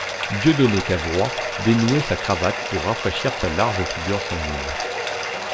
Dieudonné Cavrois dénouait sa cravate pour rafraîchir sa large figure sanguine.